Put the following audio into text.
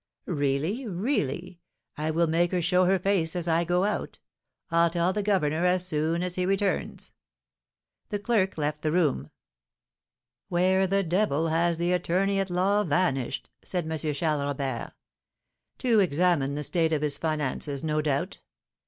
"Really, really, I will make her show her face as I go out. I'll tell the governor as soon as he returns." The clerk left the room. "Where the devil has the attorney at law vanished?" said M. Charles Robert. "To examine the state of his finances, no doubt.